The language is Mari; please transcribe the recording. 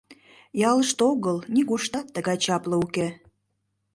— «Ялыште огыл, нигуштат тыгай чапле уке!